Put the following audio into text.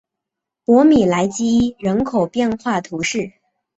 博米莱基伊人口变化图示